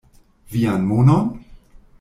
Vian monon?